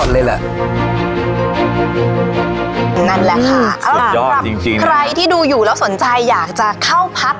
นั่นแหละค่ะสุดยอดจริงจริงครับใครที่ดูอยู่แล้วสนใจอยากจะเข้าพัก